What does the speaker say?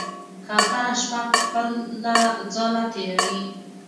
کوتره شپه په خپل ځاله تېروي.